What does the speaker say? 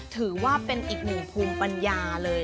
ถือว่าเป็นอีกหนึ่งภูมิปัญญาเลย